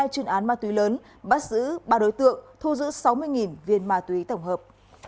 hai chuyên án ma túy lớn bắt giữ ba đối tượng thu giữ sáu mươi viên ma túy tổng hợp